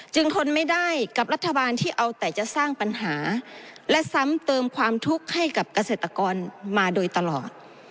ทนไม่ได้กับรัฐบาลที่เอาแต่จะสร้างปัญหาและซ้ำเติมความทุกข์ให้กับเกษตรกรมาโดยตลอด